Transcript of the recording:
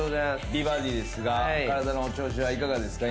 美バディですが体の調子はいかがですか？